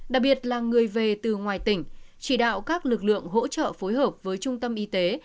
đặc biệt là người về từ ngoài tỉnh chỉ đạo các lực lượng hỗ trợ phối hợp với trung tâm y tế